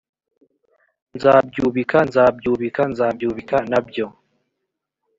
nzabyubika nzabyubika nzabyubika na byo